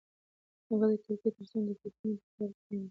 هغه د کړکۍ تر څنګ د فکرونو په ټال کې کېناسته.